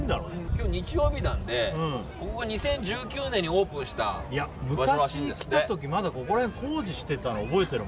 今日日曜日なんでここが２０１９年にオープンした昔、ここら辺工事してたの覚えてる。